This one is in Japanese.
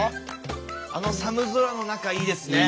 あの寒空の中いいですね。